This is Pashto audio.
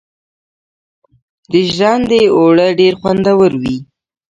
د ژرندې اوړه ډیر خوندور وي.